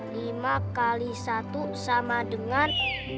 lima kali satu sama dengan